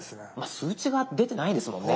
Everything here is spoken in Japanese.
数値が出てないですもんね。